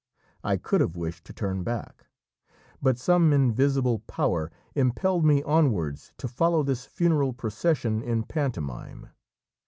I could have wished to turn back, but some invisible power impelled me onwards to follow this funeral procession in pantomime.